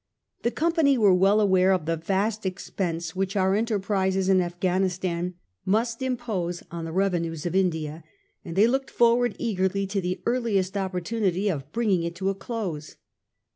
Tke Company were well aware of tke vast expense which our enterprises in Afghanistan must impose on the revenues of India, and they looked forward eagerly to the earliest oppor tunity of bringing it to a close.